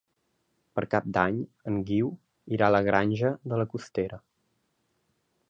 Per Cap d'Any en Guiu irà a la Granja de la Costera.